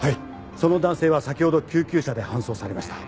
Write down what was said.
その男性は先ほど救急車で搬送されました。